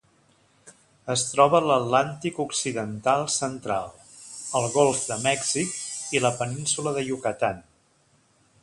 Es troba a l'Atlàntic occidental central: el golf de Mèxic i la península de Yucatán.